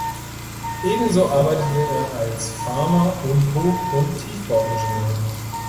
Ebenso arbeitete er als Farmer und Hoch- und Tiefbauingenieur.